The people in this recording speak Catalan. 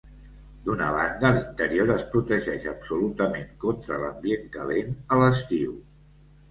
D'una banda, l'interior es protegeix absolutament contra l'ambient calent a l'estiu.